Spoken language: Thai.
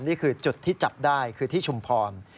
นี่คือจุดที่จับได้คือที่ชุมพร